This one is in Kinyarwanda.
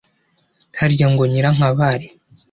harya ngo nyirankabari